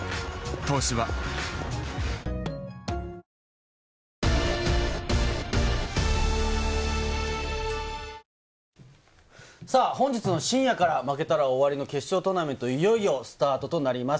「東芝」本日の深夜から負けたら終わりの決勝トーナメント、いよいよスタートとなります。